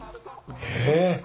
ええ！